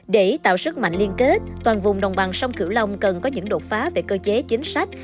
để tạo sức mạnh liên kết toàn vùng đồng bằng sông cửu long cần có những đột phá về cơ chế chính sách